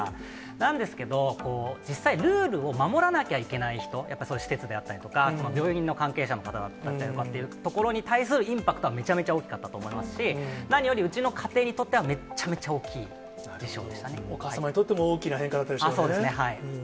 なんですけど、実際、ルールを守らなきゃいけない人、やっぱりそういう施設であったりとか、病院の関係者の方だったりのところに関するインパクトはめちゃめちゃ大きかったと思いますし、何よりうちの家庭にとっては、お母様にとっても大きな変化そうですね。